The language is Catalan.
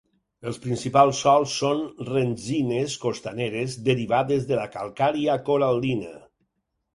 Els principals sòls són rendzines costaneres derivades de la calcària coral·lina.